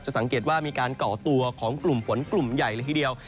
สังเกตว่ามีการก่อตัวของกลุ่มฝนกลุ่มใหญ่เลยทีเดียว